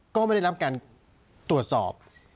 ก็ไม่ได้รับการตรวจสอบ